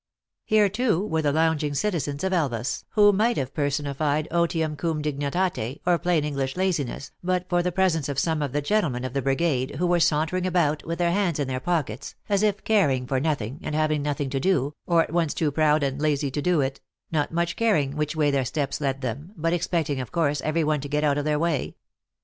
Here, too, were the lounging citizens of Elvas, who might have personified otium cum dignitate, or plain English laziness, but for the presence of some of the gentlemen of the brigade, who were sauntering about with their hands in their pockets, as if caring for nothing, and having nothing to do, or at once too proud and lazy to do it not much caring which way their steps led them, but expecting, of course, ^every one to get out of their way.